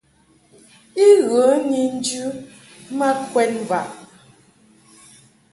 I ghə ni njɨ ma kwɛd mvaʼ.